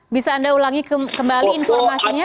bisa anda ulangi kembali informasinya